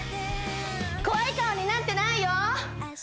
怖い顔になってないよ！